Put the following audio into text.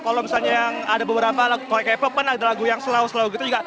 kalau misalnya yang ada beberapa lagu k pop kan ada lagu yang slow slow gitu juga